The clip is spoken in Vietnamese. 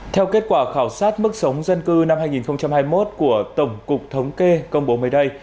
theo kết quả khảo sát mức sống dân cư năm hai nghìn hai mươi một của tổng cục thống kê công bố mới đây